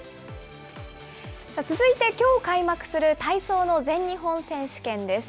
続いてきょう、開幕する体操の全日本選手権です。